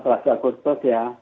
empat belas agustus ya